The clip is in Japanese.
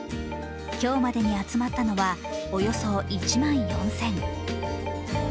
今日までに集まったのはおよそ１万４０００。